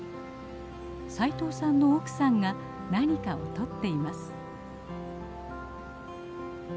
斉藤さんの奥さんが何かをとっています。